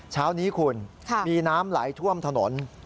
เช้านี้คุณมีน้ำไหลท่วมถนน